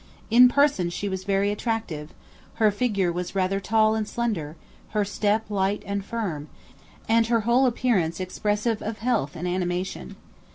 In person she was very attractive; her figure was rather tall and slender, her step light and firm, and her whole appearance expressive of health and animation.